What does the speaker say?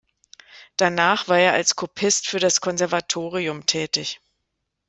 Danach war er als Kopist für das Konservatorium tätig.